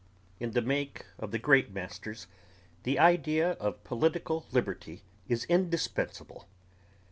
In the make of the great masters the idea of political liberty is indispensable.